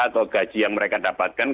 atau gaji yang mereka dapatkan